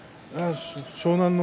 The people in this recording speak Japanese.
湘南乃